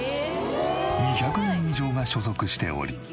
２００人以上が所属しており。